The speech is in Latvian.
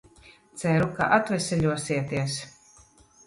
Ceru, ka atveseļosieties.